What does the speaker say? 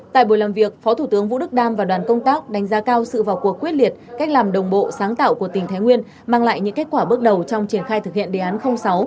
tại buổi làm việc phó thủ tướng vũ đức đam và đoàn công tác đánh giá cao sự vào cuộc quyết liệt cách làm đồng bộ sáng tạo của tỉnh thái nguyên mang lại những kết quả bước đầu trong triển khai thực hiện đề án sáu